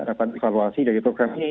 rapat evaluasi dari program ini